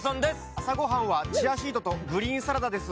朝ごはんはチアシードとグリーンサラダです。